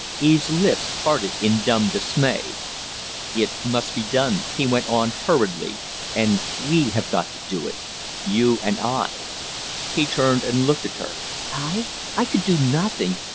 Eve's lips parted in dumb dismay. "It must be done," he went on hurriedly, "and we have got to do it you and I." He turned and looked at her. "I? I could do nothing.